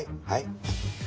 はい。